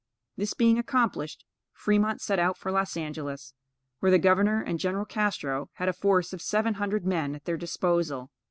This being accomplished, Fremont set out for Los Angelos, where the Governor and Gen. Castro had a force of seven hundred men at their disposal.